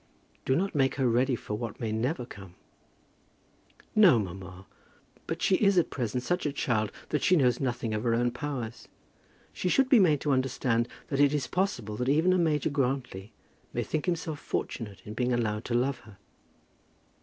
"Do not make her ready for what may never come." "No, mamma; but she is at present such a child that she knows nothing of her own powers. She should be made to understand that it is possible that even a Major Grantly may think himself fortunate in being allowed to love her."